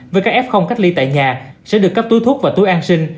với các f cách ly tại nhà sẽ được cấp túi thuốc và túi an sinh